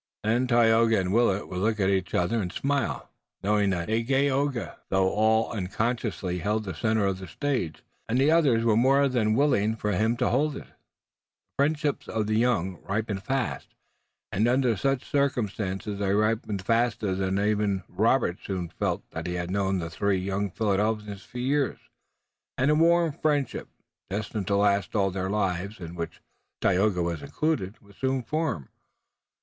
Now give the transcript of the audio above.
Then Tayoga and Willet would look at each other and smile, knowing that Dagaeoga, though all unconsciously, held the center of the stage, and the others were more than willing for him to hold it. The friendships of the young ripen fast, and under such circumstances they ripen faster than ever. Robert soon felt that he had known the three young Philadelphians for years, and a warm friendship, destined to last all their lives, in which Tayoga was included, was soon formed.